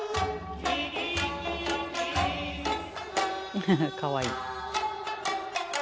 フフフかわいい。